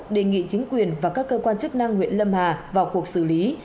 đề nghị chính quyền và các cơ quan chức năng huyện lâm hà vào cuộc xử lý